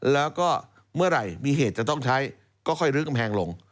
แล้วก็เมื่อไหร่มีเหตุจะต้องใช้ก็ค่อยลื้อกำแพงลง